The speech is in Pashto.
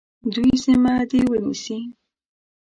دوی سیمه دي ونیسي.